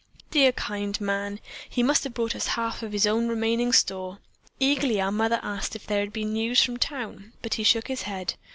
Dear, kind man! He must have brought us half of his own remaining store. Eagerly our mother asked if there had been news from town, but he shook his head.